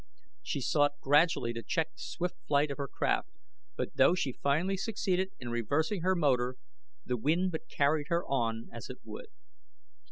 She sought gradually to check the swift flight of her craft, but though she finally succeeded in reversing her motor the wind but carried her on as it would.